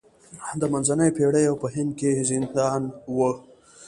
د منځنیو پېړیو په هند کې زندان نه و.